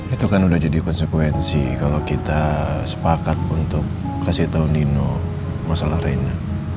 itu kan sudah jadi konsekuensi kalau kita sepakat untuk kasih tahu nino masalah reina